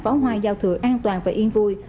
pháo hoa giao thừa an toàn và yên vui